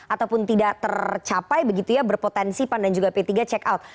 ataupun tidak tercapai begitu ya berpotensi pan dan juga p tiga check out